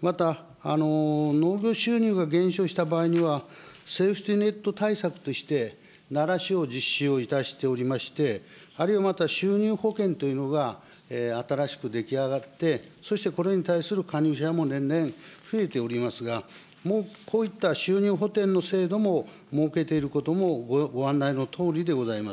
また農業収入が減少した場合には、セーフティーネット対策として、ならしを実施いたしておりまして、あるいはまた収入保険というのが新しく出来上がって、そしてこれに対する加入者も年々増えておりますが、こういった収入補填の制度も設けていることもご案内のとおりでございます。